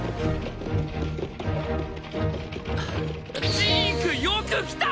ジークよく来た！